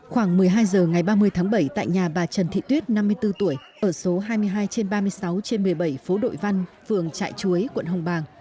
khoảng một mươi hai h ngày ba mươi tháng bảy tại nhà bà trần thị tuyết năm mươi bốn tuổi ở số hai mươi hai trên ba mươi sáu trên một mươi bảy phố đội văn vườn trại chuối quận hồng bàng